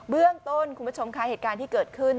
เรื่องต้นคุณผู้ชมค่ะเหตุการณ์ที่เกิดขึ้น